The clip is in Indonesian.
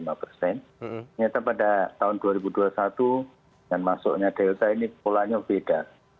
ternyata pada tahun dua ribu dua puluh satu dengan masuknya delta ini polanya beda